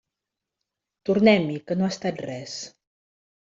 Tornem-hi que no ha estat res.